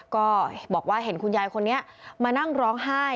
ก็บอกว่าเห็นคุณยายคนนี้มานั่งร้องไห้